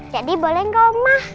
jadi boleh nggak ma